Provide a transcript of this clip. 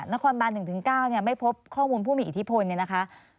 นครบาน๑๙ไม่พบข้อมูลผู้มีอิทธิพลเนี่ยนะคะ